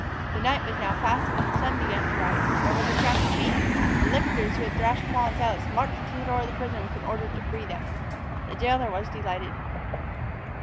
The night was now passing and the sun began to rise. There was a tramp of feet. The lictors who had thrashed Paul and Silas marched to the door of the prison with an order to free them. The jailor was delighted.